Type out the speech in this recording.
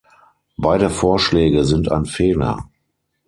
Beide Vorschläge sind ein Fehler.